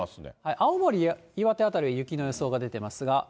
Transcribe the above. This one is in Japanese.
青森、岩手辺りは雪の予想が出てますが。